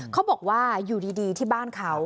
เขาบอกว่าอยู่ดีที่บ้านเขา